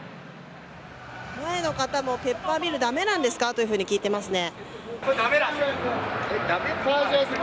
前の方もペッパーミルだめなんですか？というふうに聞いていますね。